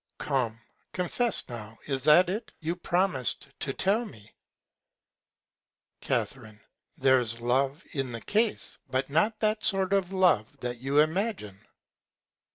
Come, confess now, is that it? You promis'd to tell me. Ca. There's Love in the Case, but not that Sort of Love that you imagine.